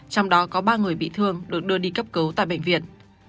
trong đó có ba người bị thương được đưa đi cấp cứu tại bệnh viện